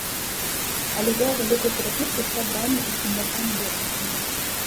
Але вёў вялікую перапіску з сябрамі і з землякамі-бежанцамі.